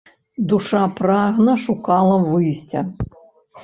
Душа прагна шукала выйсця.